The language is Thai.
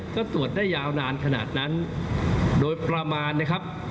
ถ้าตรวจได้ยาวนานขนาดนั้นโดยประมาณนะครับ